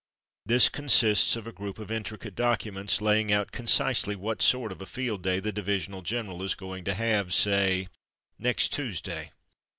'* This consists of a group of intricate docu ments laying out concisely what sort of a field day the divisional general is going to have, say, "next Tuesday.''